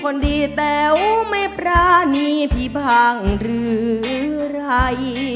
คนดีแก้วไม่ปราณีพี่พังหรือไร